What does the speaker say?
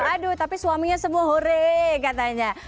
aduh tapi suaminya semua hure katanya